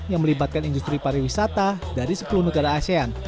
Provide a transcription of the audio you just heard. yang melibatkan industri pariwisata dari sepuluh negara asean